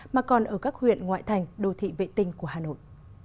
mà còn ở các huyện ngoại thành đô thị vệ tinh của hà nội